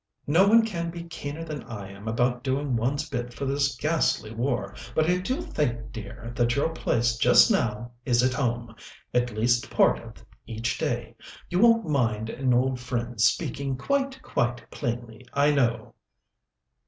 "No one can be keener than I am about doing one's bit for this ghastly war, but I do think, dear, that your place just now is at home at least part of each day. You won't mind an old friend's speaking quite, quite plainly, I know."